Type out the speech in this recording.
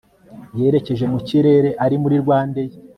yerekeje mu kirere ari muri rwanda air